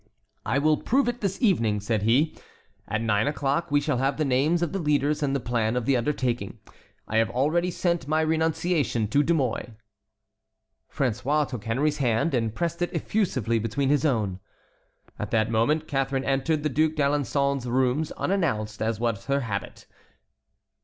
"I will prove it this evening," said he. "At nine o'clock we shall have the names of the leaders and the plan of the undertaking. I have already sent my renunciation to De Mouy." François took Henry's hand and pressed it effusively between his own. At that moment Catharine entered the Duc d'Alençon's rooms, unannounced, as was her habit.